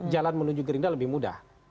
jalan menuju gerindra lebih mudah